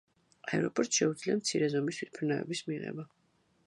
აეროპორტს შეუძლია მცირე ზომის თვითმფრინავების მიღება.